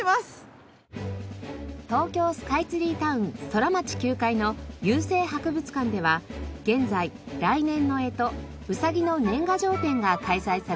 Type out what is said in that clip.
東京スカイツリータウンソラマチ９階の郵政博物館では現在来年の干支卯の年賀状展が開催されています。